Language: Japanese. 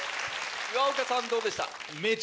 岩岡さんどうでした？